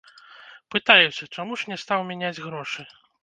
Пытаюся, чаму ж не стаў мяняць грошы.